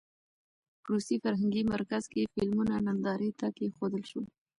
په روسي فرهنګي مرکز کې فلمونه نندارې ته کېښودل شول.